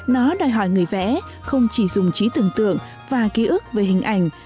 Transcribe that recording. nó đòi hỏi người vẽ không chỉ dùng trí tưởng tượng và ký ức về hình ảnh